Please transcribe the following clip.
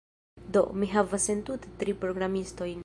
Do, mi havas entute tri programistojn